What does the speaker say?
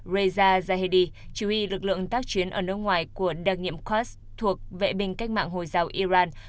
reza zahedi chỉ huy lực lượng tác chiến ở nước ngoài của đặc nhiệm quds thuộc vệ binh cách mạng hồi giáo iran